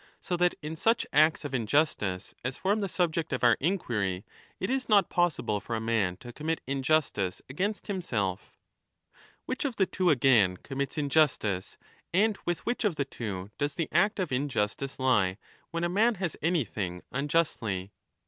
So that in such acts of injustice as form the subject of our inquiry, it is not possible for a man to commit injustice against himself. Which of the two, again, commits injustice, and with which of the two does the act of injustice lie, when a man 35 has anything unjustly?